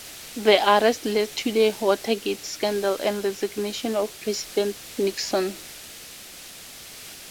The arrests led to the Watergate scandal and resignation of President Nixon.